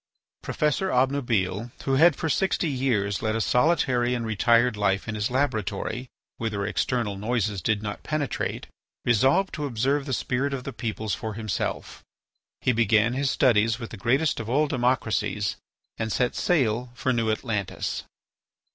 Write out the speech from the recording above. Professor Obnubile, who had for sixty years led a solitary and retired life in his laboratory, whither external noises did not penetrate, resolved to observe the spirit of the peoples for himself. He began his studies with the greatest of all democracies and set sail for New Atlantis.